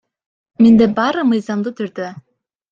Менде баары мыйзамдуу түрдө.